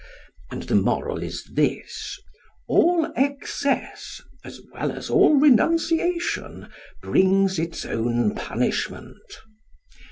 And the moral is this: All excess, as well as all renunciation, brings its own punishment.